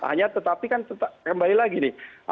hanya tetapi kan kembali lagi nih